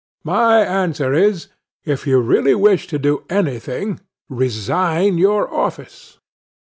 my answer is, "If you really wish to do any thing, resign your office."